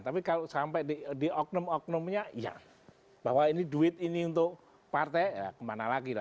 tapi kalau sampai di oknum oknumnya ya bahwa ini duit ini untuk partai ya kemana lagi lah